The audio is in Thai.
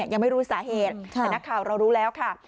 ยังไม่รู้สาเหตุแต่นักข่าวเรารู้แล้วค่ะ